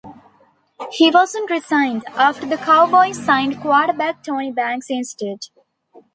He wasn't re-signed, after the Cowboys signed quarterback Tony Banks instead.